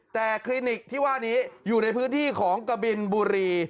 แต่คลินิกที่ว่านี้อยู่ในพื้นที่ของกะบินบุรี